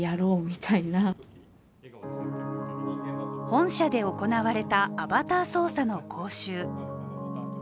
本社で行われたアバター操作の講習。